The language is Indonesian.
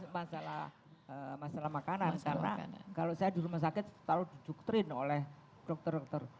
masalah makanan karena kalau saya di rumah sakit selalu diduktrin oleh dokter dokter